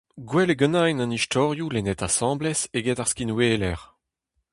Gwell eo ganin an istorioù lennet asambles eget ar skinweler.